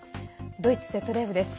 ドイツＺＤＦです。